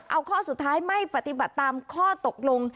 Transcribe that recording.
เอาข้อสุดท้ายไม่ปฏิบัติตามข้อตกลง